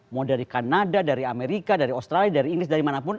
mau dari kanada dari amerika dari australia dari inggris dari manapun